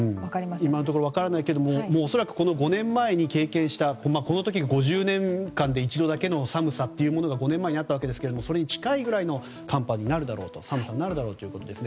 今のところ分からないですが５年前に経験したこの時５０年間で一度だけの寒さというものが５年前にあったわけですがそれに近いくらいの寒さになるだろうということですね。